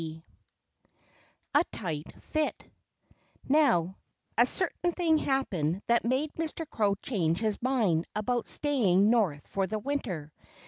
XVI A TIGHT FIT Now, a certain thing happened that made Mr. Crow change his mind about staying North for the winter.